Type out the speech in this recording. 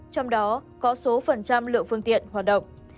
trong đó có số phần trăm lượng phương tiện hoạt động